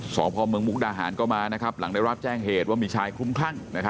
สพเมืองมุกดาหารก็มาหลังได้รับแจ้งเหตุว่ามีชายคลุ้มคลั่ง